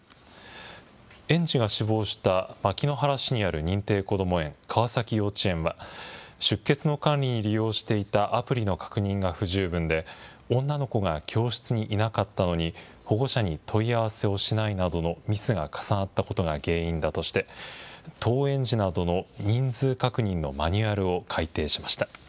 園児が死亡した牧之原市にある認定こども園、川崎幼稚園は、出欠の管理に利用していたアプリの確認が不十分で、女の子が教室にいなかったのに保護者に問い合わせをしないなどのミスが重なったことが原因だとして、登園時などの人数確認のマニュアルを改定しました。